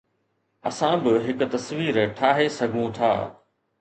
اسان به هڪ تصوير ٺاهي سگهون ٿا